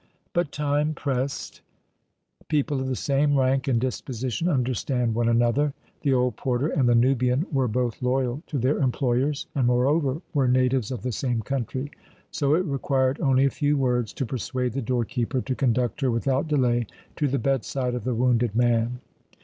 But time pressed; people of the same rank and disposition understand one another; the old porter and the Nubian were both loyal to their employers, and, moreover, were natives of the same country; so it required only a few words to persuade the door keeper to conduct her without delay to the bedside of the wounded man.